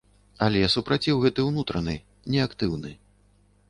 Але супраціў гэты ўнутраны, неактыўны.